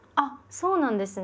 そうなんですね。